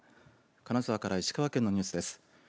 金沢から石川県のニュースです。